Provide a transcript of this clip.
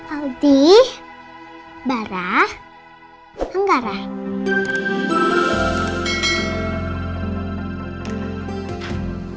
aldi barah anggarah